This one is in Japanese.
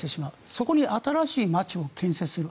そこに新しい街を建設する。